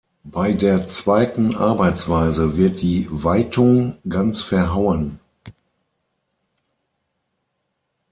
Bei der zweiten Arbeitsweise wird die Weitung ganz verhauen.